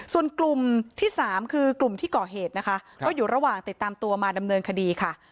ส่วนกลุ่มที่สามคือกลุ่มที่ก่อเหตุนะคะก็อยู่ระหว่างติดตามตัวมาดำเนินคดีค่ะ